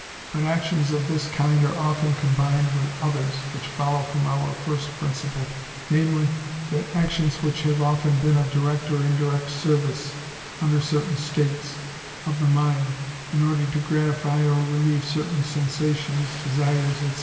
But actions of this kind are often combined with others, which follow from our first principle, namely, that actions which have often been of direct or indirect service, under certain states of the mind, in order to gratify or relieve certain sensations, desires, &c.